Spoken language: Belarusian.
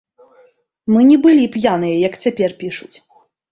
Мы не былі п'яныя, як цяпер пішуць.